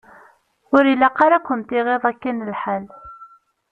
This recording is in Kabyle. Ur ilaq ara ad kunt-iɣiḍ akken lḥal!